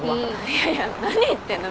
いやいや何言ってんの。